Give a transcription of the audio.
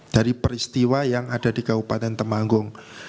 dari peristiwa yang ada di kabupaten temanggung